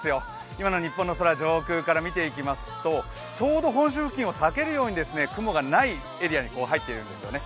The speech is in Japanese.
今の日本の空、上空から見ていきますとちょうど本州付近を避けるように雲のないエリアに入っているんですね。